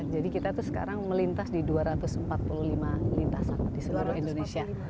jadi kita itu sekarang melintas di dua ratus empat puluh lima lintasan di seluruh indonesia